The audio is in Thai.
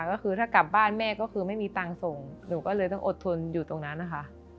ก็คือถ้ากลับบ้านแม่ก็คือไม่มีตังค์ส่งหนูก็เลยต้องอดทนอยู่ตรงนั้นนะคะ